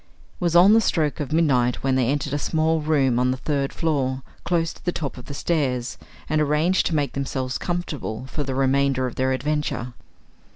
It was on the stroke of midnight when they entered a small room on the third floor, close to the top of the stairs, and arranged to make themselves comfortable for the remainder of their adventure.